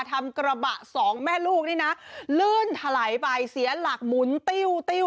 ทำกระบะสองแม่ลูกนี่นะลื่นถลายไปเสียหลักหมุนติ้วติ้ว